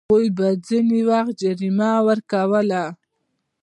هغوی به ځینې وخت جریمه ورکوله.